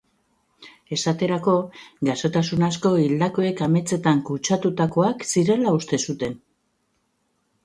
Esaterako, gaixotasun asko hildakoek ametsetan kutsatutakoak zirela uste zuten.